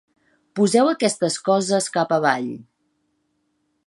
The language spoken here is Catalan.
Poseu aquestes coses cap avall.